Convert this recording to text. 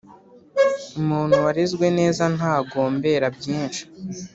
Umuntu warezwe neza ntagombera byinshi,